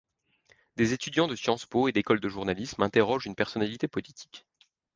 Des étudiants de Sciences Po et d'écoles de journalisme interrogent une personnalité politique.